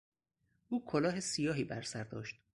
او کلاه سیاهی برسر داشت.